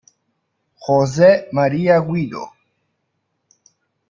José María Guido